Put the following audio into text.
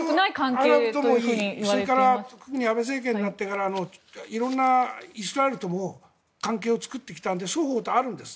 元々アラブともいいし安倍政権になってから色んな、イスラエルとも関係を作ってきたので双方とあるんです。